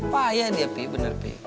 payah dia pi bener pi